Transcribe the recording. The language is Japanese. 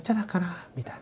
みたいな。